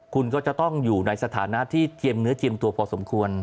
คุณก็จะต้องอยู่ในสถานะที่เทียมเนื้อเทียมตัวพอสมควร